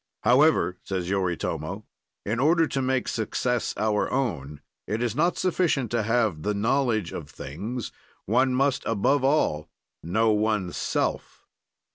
"However," says Yoritomo, "in order to make success our own, it is not sufficient to have the knowledge of things, one must above all know oneself.